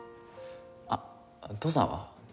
あっ父さんは？